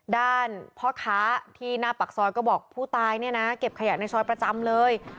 ด้านพ่อค้าที่หน้าปากซอยก็บอกผู้ตายเนี่ยนะเก็บขยะในซอยประจำเลย